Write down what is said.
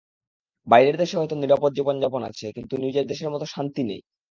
বাইরের দেশে হয়তো নিরাপদ জীবনযাপন আছে, কিন্তু নিজের দেশের মতো শান্তি নেই।